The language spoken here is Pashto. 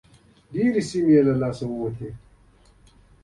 او ډېرې سیمې یې له لاسه ورکړې.